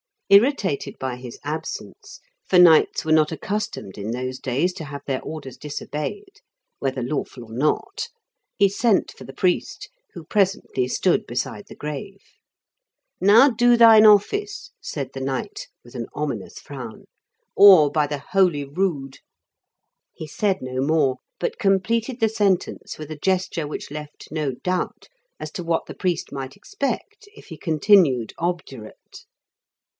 Irritated by his absence, for knights were not accustomed in those days F 2 € 68 IN KENT WITH CEAELE8 DICKENS. to have their orders disobeyed, whether lawful or not, he sent for the priest, who presently stood beside the grave. "Now do thine ofl&ce," said the knight, with an ominous frown, "or, by the Holy Rood !" He said no more, but completed the sentence with a gesture which left no doubt as to what the priest might expect if he con tinued obdurate.